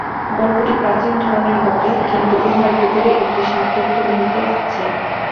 গল্পটি প্রাচীন ধরনের বটে, কিন্তু উহার ভিতরে একটি সারতত্ত্ব নিহিত আছে।